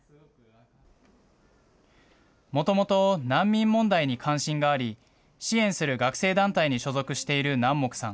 もともと難民問題に関心があり、支援する学生団体に所属している南木さん。